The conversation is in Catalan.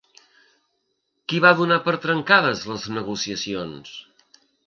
Qui va donar per trencades les negociacions?